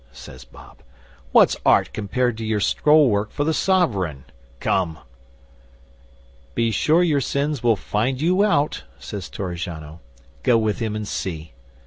says Bob. "What's Art compared to your scroll work for the SOVEREIGN? Come." '"Be sure your sins will find you out," says Torrigiano. "Go with him and see."